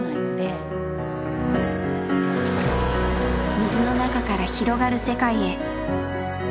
水の中から広がる世界へ。